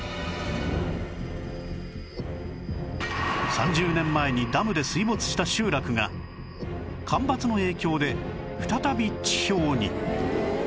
３０年前にダムで水没した集落が干ばつの影響で再び地表に